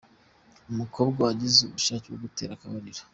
Umukobwa wagize ubushake bwo gutera akabariro.